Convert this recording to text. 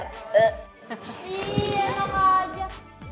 ih enak aja